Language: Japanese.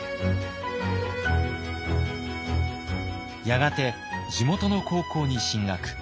やがて地元の高校に進学。